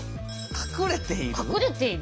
隠れている？